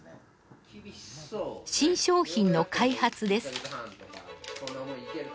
新商品の開発です。